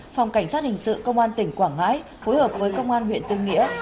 phòng cảnh sát hình sự công an tỉnh quảng ngãi phối hợp với công an huyện tư nghĩa